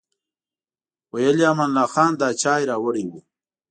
ویل یې امان الله خان دا چای راوړی و.